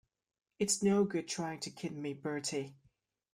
It's no good trying to kid me, Bertie.